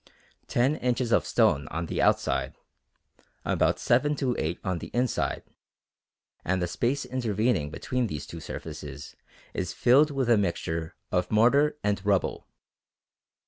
Ten inches of stone on the outside, about seven to eight on the inside, and the space intervening between these two surfaces is filled with a mixture of mortar and rubble.